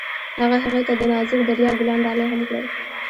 هغه هغې ته د نازک دریا ګلان ډالۍ هم کړل.